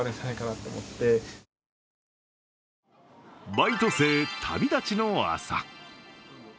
バイト生、旅立ちの朝。